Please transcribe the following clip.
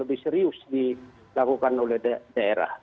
lebih serius dilakukan oleh daerah